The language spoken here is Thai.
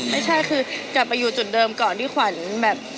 ไม่ใช่คือกลับไปอยู่จุดเดิมก่อนที่ขวัญแบบ